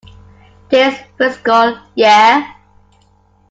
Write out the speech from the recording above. This fiscal year.